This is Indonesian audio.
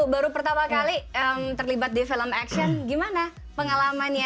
baru pertama kali terlibat di film action gimana pengalamannya